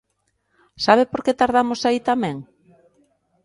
¿Sabe por que tardamos aí tamén?